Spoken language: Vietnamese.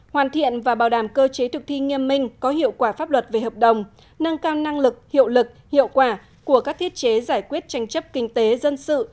hoàn thiện và bảo đảm cơ chế thực thi nghiêm minh có hiệu quả pháp luật về hợp đồng nâng cao năng lực hiệu lực hiệu quả của các thiết chế giải quyết tranh chấp kinh tế dân sự